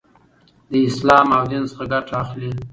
لـه اسـلام او ديـن څـخه ګـټه اخـلي .